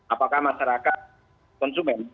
apakah masyarakat konsumen